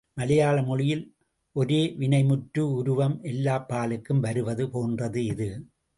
மலையாள மொழியில் ஒரே வினைமுற்று உருவம் எல்லாப் பாலுக்கும் வருவது போன்றது இது.